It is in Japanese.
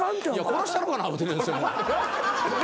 殺したろうかな思うて。